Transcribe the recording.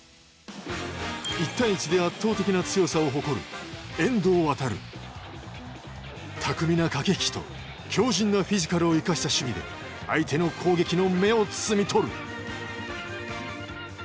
１対１で圧倒的な強さを誇る巧みな駆け引きと強じんなフィジカルを生かした守備で相手の攻撃の芽を摘み取る。